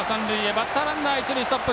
バッターランナー、一塁ストップ。